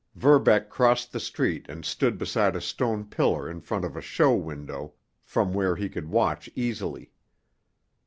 Verbeck crossed the street and stood beside a stone pillar in front of a show window, from where he could watch easily.